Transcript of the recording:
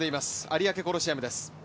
有明コロシアムです。